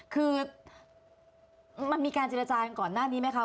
คือมันมีการเจรจากันก่อนหน้านี้ไหมคะ